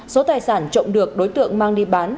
số tài sản trộm được đối tượng mang đi bán